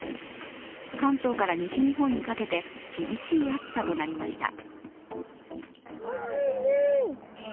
関東から西日本にかけて厳しい暑さとなりました。